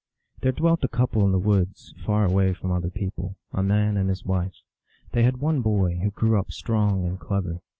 There dwelt a couple in the woods, far away from other people, a man and his wife. They had one boy, who grew up strong and clever.